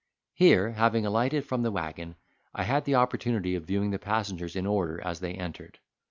Here, having alighted from the waggon, I had an opportunity of viewing the passengers in order as they entered.